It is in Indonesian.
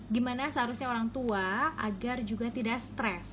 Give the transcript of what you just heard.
gimana seharusnya orang tua agar juga tidak stres